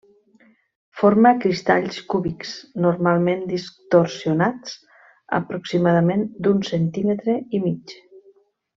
Forma cristalls cúbics, normalment distorsionats, aproximadament d'un centímetre i mig.